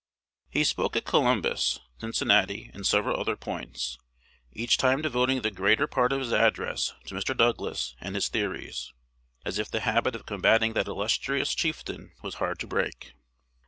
He spoke at Columbus, Cincinnati, and several other points, each time devoting the greater part of his address to Mr. Douglas and his theories, as if the habit of combating that illustrious chieftain was hard to break.